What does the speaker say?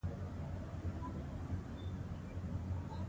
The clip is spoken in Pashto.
تغیر له ځانه پیل کړئ.